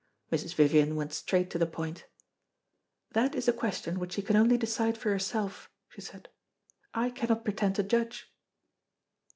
Mrs. Vivian went straight to the point: "That is a question which you can only decide for yourself," she said. "I cannot pretend to judge."